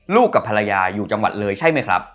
กับภรรยาอยู่จังหวัดเลยใช่ไหมครับ